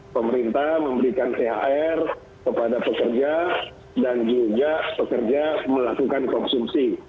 pemerintah memberikan thr kepada pekerja dan juga pekerja melakukan konsumsi